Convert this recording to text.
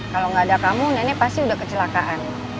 kalau nggak ada kamu nenek pasti udah kecelakaan